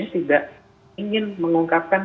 tidak ingin mengungkapkan